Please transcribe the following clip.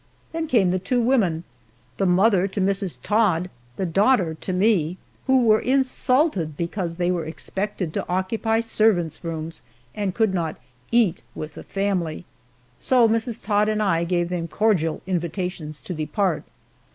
Then came the two women the mother to Mrs. Todd, the daughter to me who were insulted because they were expected to occupy servant's rooms, and could not "eat with the family" so Mrs. Todd and I gave them cordial invitations to depart.